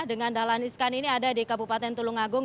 adalah yang dahlan iskan ini ada di kabupaten tulungagung